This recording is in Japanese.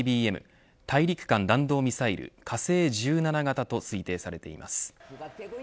大陸間弾道ミサイル火星１７型と推定されています。